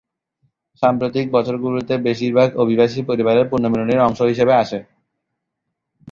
সাম্প্রতিক বছরগুলিতে বেশিরভাগ অভিবাসী পারিবারিক পুনর্মিলনের অংশ হিসাবে আসে।